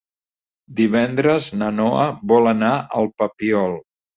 Divendres na Noa vol anar al Papiol.